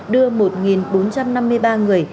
đưa một bốn trăm năm mươi ba người